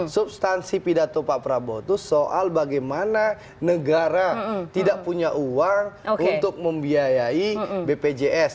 substansi pidato pak prabowo itu soal bagaimana negara tidak punya uang untuk membiayai bpjs